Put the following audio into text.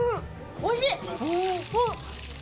おいしい！